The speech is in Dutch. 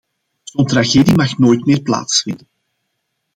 Zo'n tragedie mag nooit meer plaatsvinden.